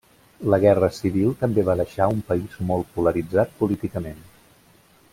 La guerra civil també va deixar un país molt polaritzat políticament.